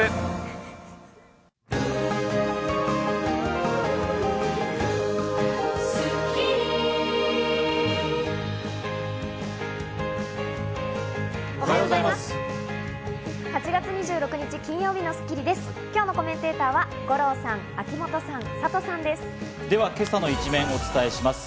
今日のコメンテーターの皆さんです。